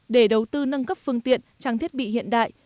để đầu tư nâng cấp phương tiện trang thiết bị hiện đại